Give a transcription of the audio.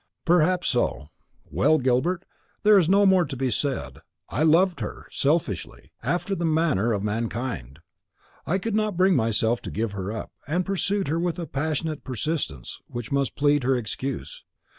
"Perhaps so. Well, Gilbert, there is no more to be said. I loved her, selfishly, after the manner of mankind. I could not bring myself to give her up, and pursued her with a passionate persistence which must plead her excuse.